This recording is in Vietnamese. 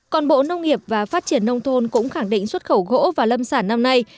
còn bộ nông nghiệp và phát triển nông thôn cũng khẳng định xuất khẩu gỗ và lâm sản năm nay